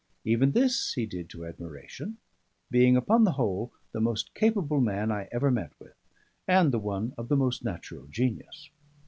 Even this he did to admiration; being upon the whole the most capable man I ever met with, and the one of the most natural genius.